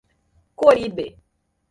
Coribe